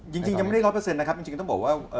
จริงยังมันไม่๑๐๐นะครับจริงต้องบอกว่า